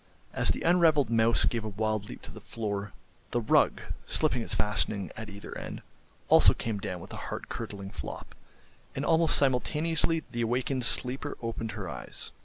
As the unravelled mouse gave a wild leap to the floor, the rug, slipping its fastening at either end, also came down with a heart curdling flop, and almost simultaneously the awakened sleeper opened her eyes.